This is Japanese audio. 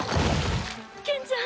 ケンちゃん！